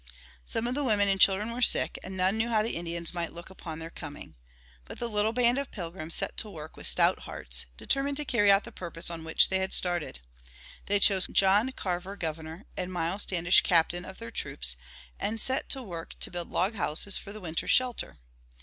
Some of the women and children were sick, and none knew how the Indians might look upon their coming. But the little band of Pilgrims set to work with stout hearts, determined to carry out the purpose on which they had started. They chose John Carver Governor and Miles Standish Captain of their troops, and set to work to build log houses for the winter's shelter.